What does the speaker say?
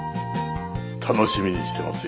楽しみにしてますよ。